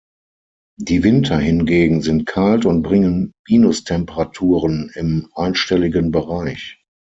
Die Winter hingegen sind kalt und bringen Minustemperaturen im einstelligen Bereich.